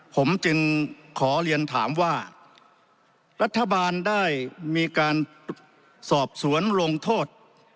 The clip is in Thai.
ผมจึงขอเรียนถามว่ารัฐบาลได้มีการสอบสวนลงโทษ